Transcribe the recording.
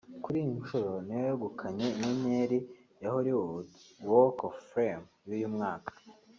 Kuri iyi nshuro ni we wegukanye inyenyeri ya ‘Hollywood Walk of Fame’ y’uyu mwaka